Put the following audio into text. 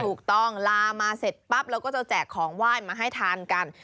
ถูกต้องลามาเสร็จปั๊บเราก็จะแจกของไหว้มาให้ทานกัน